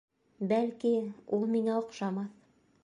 Бәлки, ул миңә оҡшамаҫ.